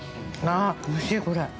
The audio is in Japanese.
あ、おいしい、これ。